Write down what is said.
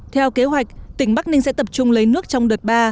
theo kế hoạch tỉnh bắc ninh sẽ tập trung lấy nước trong đợt ba